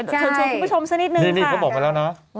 เชิญชวนคุณผู้ชมสักนิดนึงนี่เขาบอกมาแล้วนะ